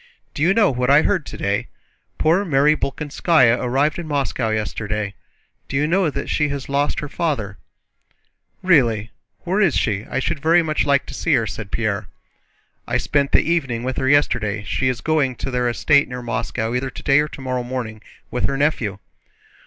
"Do you know what I heard today? Poor Mary Bolkónskaya arrived in Moscow yesterday. Do you know that she has lost her father?" * "Who excuses himself, accuses himself." "Really? Where is she? I should like very much to see her," said Pierre. "I spent the evening with her yesterday. She is going to their estate near Moscow either today or tomorrow morning, with her nephew."